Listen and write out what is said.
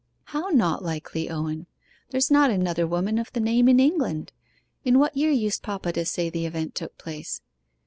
'How not likely, Owen? There's not another woman of the name in England. In what year used papa to say the event took place?